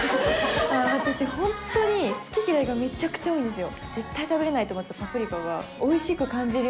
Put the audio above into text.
私、本当に好き嫌いがめちゃくちゃ多いんですよ。